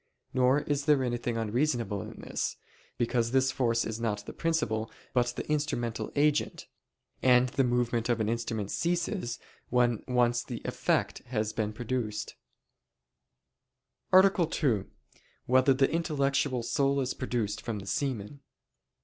Nor is there anything unreasonable in this, because this force is not the principal but the instrumental agent; and the movement of an instrument ceases when once the effect has been produced. _______________________ SECOND ARTICLE [I, Q. 118, Art. 2] Whether the Intellectual Soul Is Produced from the Semen?